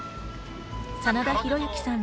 真田広之さんら